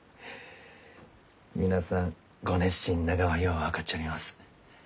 皆さんご熱心ながはよう分かっちょります。